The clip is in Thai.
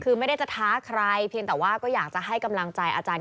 คือไม่ได้จะท้าใครเพียงแต่ว่าก็อยากจะให้กำลังใจอาจารย์